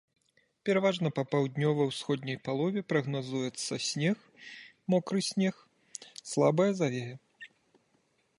Пераважна па паўднёва-ўсходняй палове прагназуецца снег, мокры снег, слабая завея.